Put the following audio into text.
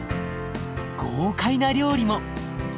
豪快な料理も。